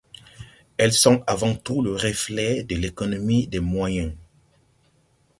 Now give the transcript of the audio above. Elles sont avant tout le reflet de l'économie des moyens.